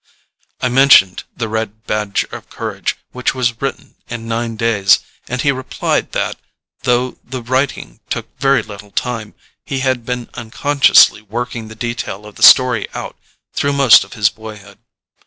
I mentioned "The Red Badge of Courage," which was written in nine days, and he replied that, though the writing took very little time, he had been unconsciously working the detail of the story out through most of his boyhood.